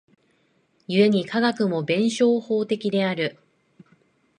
故に科学も弁証法的である。